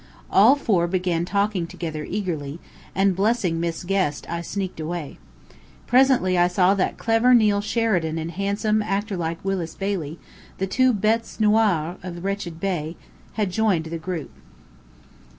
All four began talking together eagerly, and blessing Miss Guest I sneaked away. Presently I saw that clever Neill Sheridan and handsome, actor like Willis Bailey, the two bêtes noires of Wretched Bey, had joined the group.